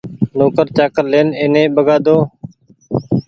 نوڪر چآڪر لين ايني ٻگآۮو ني